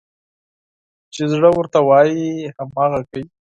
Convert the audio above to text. چې زړه ورته وايي، هماغه کوي.